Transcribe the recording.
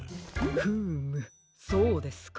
フームそうですか。